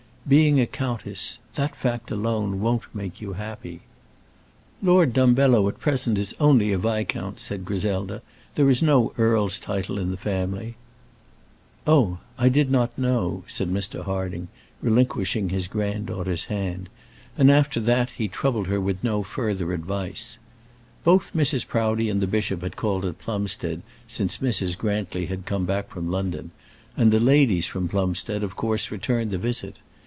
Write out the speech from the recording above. Being a countess that fact alone won't make you happy." "Lord Dumbello at present is only a viscount," said Griselda. "There is no earl's title in the family." "Oh! I did not know," said Mr. Harding, relinquishing his granddaughter's hand; and, after that, he troubled her with no further advice. Both Mrs. Proudie and the bishop had called at Plumstead since Mrs. Grantly had come back from London, and the ladies from Plumstead, of course, returned the visit.